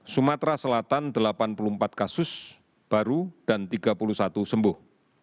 sumatera selatan delapan puluh empat kasus baru dan tiga puluh satu sembuh